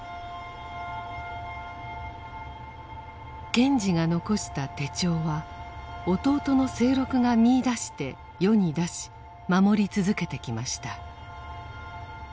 賢治が残した手帳は弟の清六が見いだして世に出し守り続けてきました。